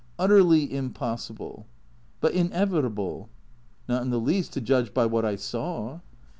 Utterly impossible." "But inevitable?" " Not in the least, to judge by what I saw."